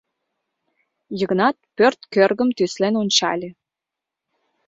Йыгнат пӧрт кӧргым тӱслен ончале.